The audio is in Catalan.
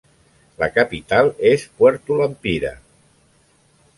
La capital és Puerto Lempira.